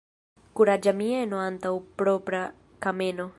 Kuraĝa mieno antaŭ propra kameno.